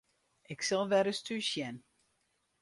Ik sil wer ris thús sjen.